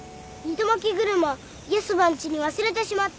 糸まき車ヤスばんちに忘れてしまった。